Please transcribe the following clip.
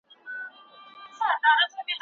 دا منم چي مي خپل ورڼه دي وژلي